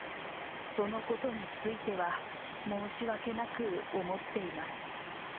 そのことについては、申し訳なく思っています。